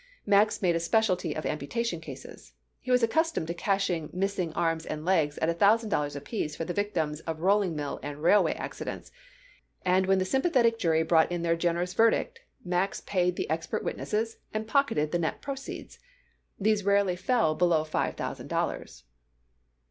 Max made a specialty of amputation cases. He was accustomed to cashing missing arms and legs at a thousand dollars apiece for the victims of rolling mill and railway accidents, and when the sympathetic jury brought in their generous verdict Max paid the expert witnesses and pocketed the net proceeds. These rarely fell below five thousand dollars.